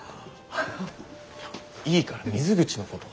いいから水口のこと。